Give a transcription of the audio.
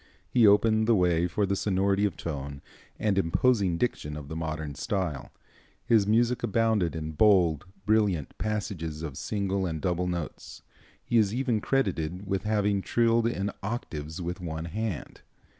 He opened the way for the sonority of tone and imposing diction of the modern style. His music abounded in bold, brilliant passages of single and double notes. He is even credited with having trilled in octaves with one hand.